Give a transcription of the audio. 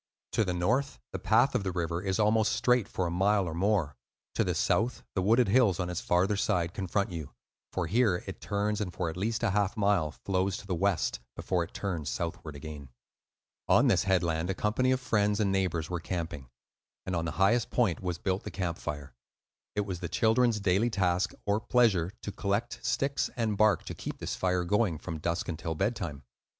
To the north the path of the river is almost straight for a mile or more; to the south the wooded hills on its farther side confront you, for here it turns and for at least a half mile flows to the west, before it turns southward again. On this headland a company of friends and neighbors were camping; and on the highest point was built the camp fire. It was the children's daily task (or pleasure) to collect sticks and bark to keep this fire going from dusk until bedtime.